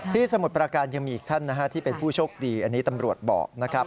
สมุทรประการยังมีอีกท่านนะฮะที่เป็นผู้โชคดีอันนี้ตำรวจบอกนะครับ